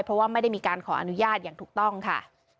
เพราะว่าไม่ได้มีการขออนุญาตอย่างถูกต้องค่ะ